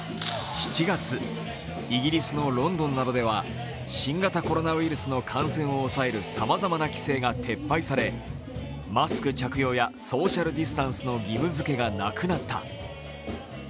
７月、イギリスのロンドンなどでは新型コロナウイルスの感染を抑えるさまざまな規制が撤廃され、マスク着用やソーシャルディスタンスの義務づけがなくなった。